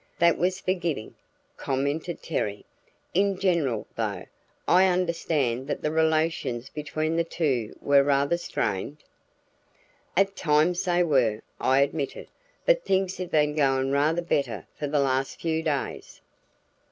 "That was forgiving," commented Terry. "In general, though, I understand that the relations between the two were rather strained?" "At times they were," I admitted, "but things had been going rather better for the last few days."